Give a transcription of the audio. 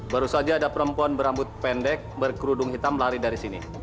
baru saja ada perempuan berambut pendek berkerudung hitam lari dari sini